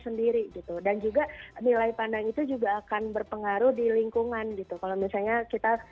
sendiri gitu dan juga nilai pandang itu juga akan berpengaruh di lingkungan gitu kalau misalnya kita